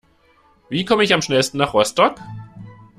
Wie komme ich am schnellsten nach Rostock?